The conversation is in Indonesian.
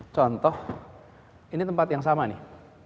contoh ini tempat yang sama nih